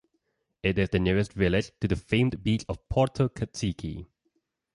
It is the nearest village to the famed beach of Porto Katsiki.